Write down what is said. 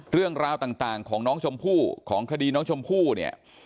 เรื่องราวต่างของน้องชมพู่ของคดีน้องชมพู่เนี่ย